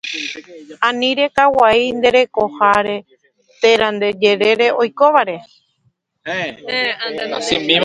Ani rekaguai nde rekoha térã nde jerére oikóvare